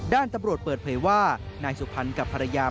ด้านตำรวจเปิดเผยว่านายสุพรรณกับภรรยา